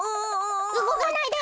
うごかないで！